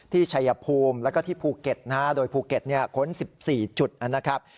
ชัยภูมิแล้วก็ที่ภูเก็ตนะฮะโดยภูเก็ตค้น๑๔จุดนะครับ